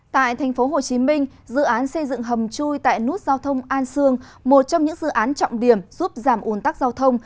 tại tp hcm dự án xây dựng hầm chui tại nút giao thông an sương một trong những dự án trọng điểm giúp giảm ồn tắc giao thông